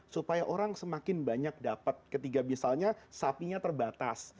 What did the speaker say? supaya orang semakin banyak dapat ketika misalnya sapinya terbatas